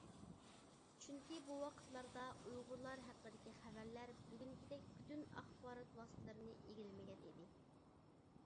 چۈنكى بۇ ۋاقىتلاردا ئۇيغۇرلار ھەققىدىكى خەۋەرلەر بۈگۈنكىدەك پۈتۈن ئاخبارات ۋاسىتىلىرىنى ئىگىلىمىگەن ئىدى.